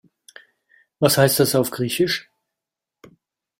Was heißt das auf Griechisch?